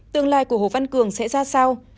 tương lai của hồ văn cường sẽ ra sao